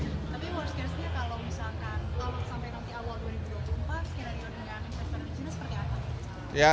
tapi harusnya kalau misalkan sampai awal dua ribu dua puluh empat skenario dengan investor di sini seperti apa